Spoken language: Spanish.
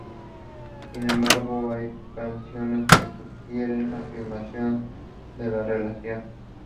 Sin embargo, hay canciones que sugieren la afirmación de su relación.